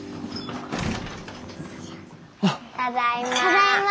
ただいま。